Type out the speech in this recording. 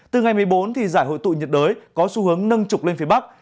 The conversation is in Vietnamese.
từ ngày một mươi bốn thì giải hội tụi nhiệt đới có xu hướng nâng trục lên phía bắc